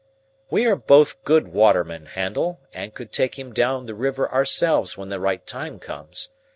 "We are both good watermen, Handel, and could take him down the river ourselves when the right time comes.